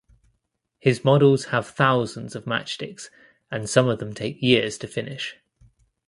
His models have thousands of matchsticks and some of them take years to finish.